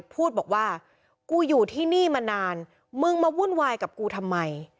พูดบอกว่ากูอยู่ที่นี่มานานมึงมาวุ่นวายกับกูทำไม